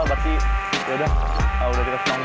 berarti yaudah kita senang